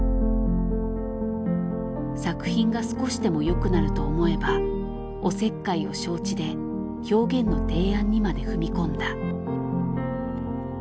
作品が少しでもよくなると思えばおせっかいを承知で表現の提案にまで踏み込んだ。